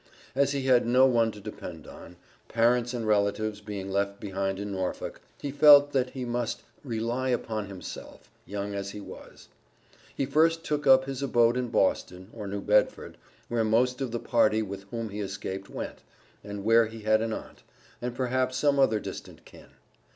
As he had no one to depend on, parents and relatives being left behind in Norfolk, he felt that he must rely upon himself, young as he was. He first took up his abode in Boston, or New Bedford, where most of the party with whom he escaped went, and where he had an aunt, and perhaps some other distant kin.